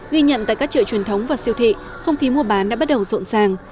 ghi nhận tại các chợ truyền thống và siêu thị không khí mua bán đã bắt đầu rộn ràng